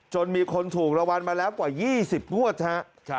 มีคนถูกรางวัลมาแล้วกว่า๒๐งวดครับ